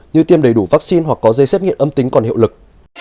như tiêm đầy đủ vaccine hoặc có dây xét nghiệm âm tính còn hiệu lực